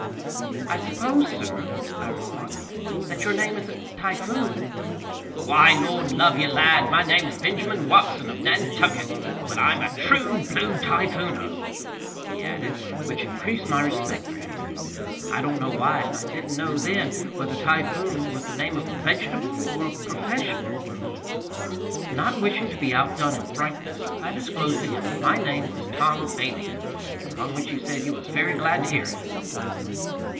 "I suppose, sir," I remarked, "that your name isn't Typhoon?" "Why, Lord love ye, lad, my name's Benjamin Watson, of Nantucket. But I'm a true blue Typhooner," he added, which increased my respect for him; I don't know why, and I didn't know then whether Typhoon was the name of a vegetable or a profession. Not wishing to be outdone in frankness, I disclosed to him that my name was Tom Bailey, upon which he said he was very glad to hear it.